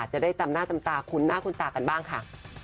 จะได้จำหน้าจำตาคุณหน้าคุณตากันบ้างค่ะ